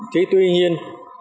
thì tuy nhiên